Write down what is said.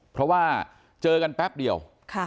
เพราะว่าเจอกันแป๊บเดียว